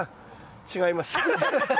違います。